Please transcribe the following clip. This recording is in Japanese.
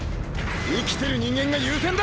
生きてる人間が優先だ！